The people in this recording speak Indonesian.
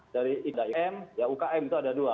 dari ikm ukm itu ada dua